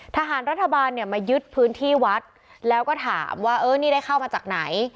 ทหารรัฐบาลเนี่ยมายึดพื้นที่วัดแล้วก็ถามว่าเออนี่ได้เข้ามาจากไหน